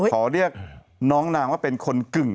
ขอเรียกน้องนางว่าเป็นคนกึ่ง